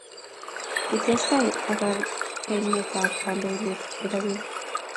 kitestai ak kainetab kandoidet nebogeny.